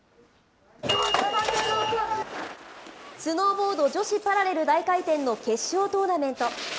スノーボード女子パラレル大回転の決勝トーナメント。